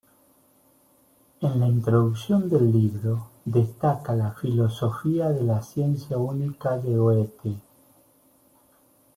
En la introducción del libro destaca la filosofía de la ciencia única de Goethe.